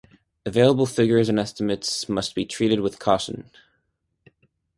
Available figures and estimates must be treated with caution.